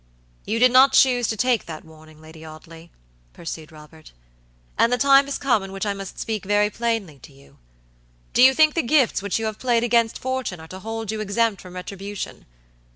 "You did not choose to take that warning, Lady Audley," pursued Robert, "and the time has come in which I must speak very plainly to you. Do you think the gifts which you have played against fortune are to hold you exempt from retribution?